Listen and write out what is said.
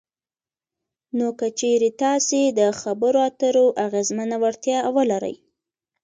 نو که چېرې تاسې دخبرو اترو اغیزمنه وړتیا ولرئ